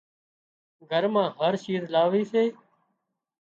گھر مان هر شيز لاوي سي